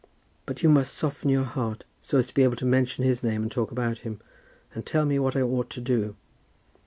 But you must soften your heart so as to be able to mention his name and talk about him, and tell me what I ought to do.